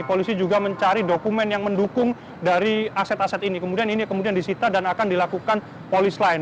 polisi juga mencari dokumen yang mendukung dari aset aset ini kemudian ini kemudian disita dan akan dilakukan polis lain